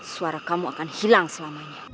suara kamu akan hilang selamanya